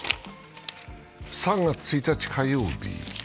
３月１日火曜日。